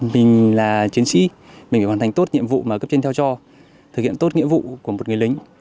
mình là chiến sĩ mình phải hoàn thành tốt nhiệm vụ mà cấp trên theo cho thực hiện tốt nghĩa vụ của một người lính